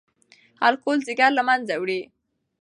الکول ځیګر له منځه وړي.